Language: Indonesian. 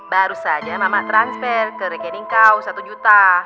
baru saja mama transfer ke rekening kau satu juta